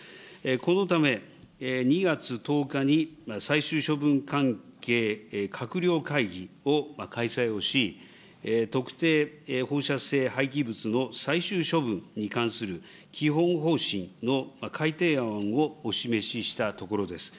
このため、２月１０日に最終処分関係閣僚会議を開催をし、特定放射性廃棄物の最終処分に関する基本方針の改定案をお示ししたところです。